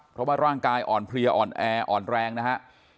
เพราะว่าร่างกายอ่อนเพลียอ่อนแออ่อนแรงนะฮะ